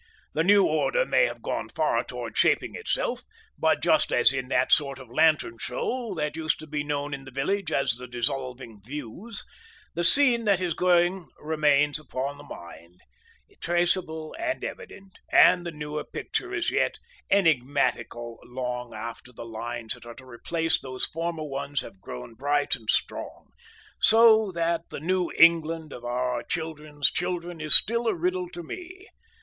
The new order may have gone far towards shaping itself, but just as in that sort of lantern show that used to be known in the village as the "Dissolving Views," the scene that is going remains upon the mind, traceable and evident, and the newer picture is yet enigmatical long after the lines that are to replace those former ones have grown bright and strong, so that the new England of our children's children is still a riddle to me.